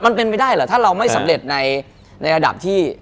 มันเป็นไปได้เหรอถ้าเราไม่สำเร็จในระดับที่